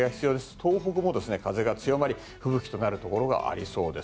東北も風が強まり吹雪となるところがありそうです。